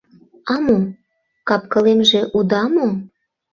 А мо, капкылемже уда мо?